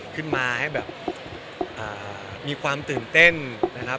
ขึ้นมาให้แบบมีความตื่นเต้นนะครับ